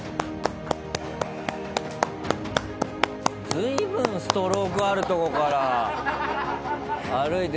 随分ストロークあるところから歩いて。